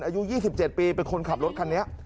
อายุ๒๗ปีเป็นคนขับรถคันนี้